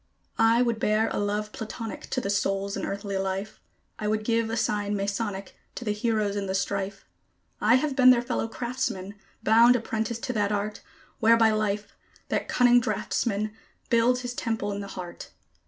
I would bear a love Platonic to the souls in earthly life; I would give a sign Masonic to the heroes in the strife; I have been their fellow craftsman, bound apprentice to that Art, Whereby Life, that cunning draughtsman, builds his temple in the heart.